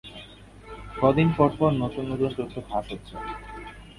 কয়েক দিন পরপরই নতুন নতুন তথ্য ফাঁস হচ্ছে।